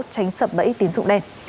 tránh sập bẫy tiến dụng đen